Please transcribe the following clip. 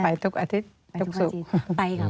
ไปทุกอาทิตย์ทุกศุกร์